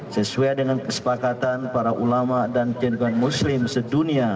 sesuai dengan kesepakatan para ulama dan cenderung muslim sedunia